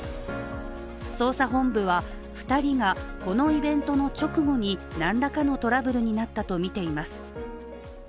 捜査本部は２人がこのイベントの直後に何らかのトラブルになったとみています。